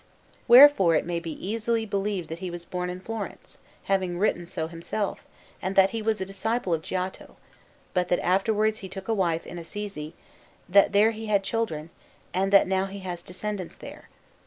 Wherefore it may easily be believed that he was born in Florence, having written so himself, and that he was a disciple of Giotto, but that afterwards he took a wife in Assisi, that there he had children, and that now he has descendants there.